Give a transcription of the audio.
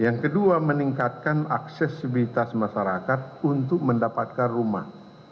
yang kedua meningkatkan aksesibilitas masyarakat untuk mendapatkan rumah